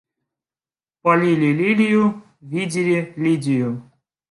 Полили лилию, видели Лидию.